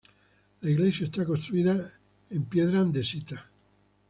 La iglesia está construida en piedra andesita.